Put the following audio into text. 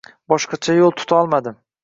Boshqacha yo`l tutolmadim